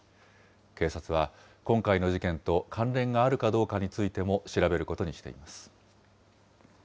警察は、今回の事件と関連があるかどうかについても調べることにしています。